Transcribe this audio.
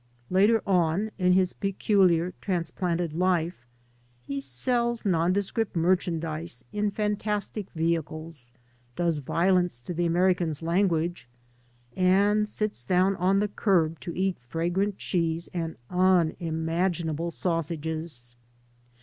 Lat^ on, in his peculiar, transplanted life, he sells n<»idescript m^vhandise in fantastic vehicles, does violence to the American's language, and ^ts down on the curb to eat fragrant cheese and unimaginable sausages.